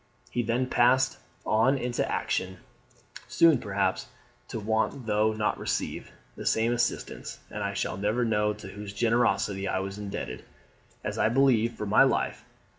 He then passed on into action soon, perhaps, to want, though not receive, the same assistance; and I shall never know to whose generosity I was indebted, as I believe, for my life.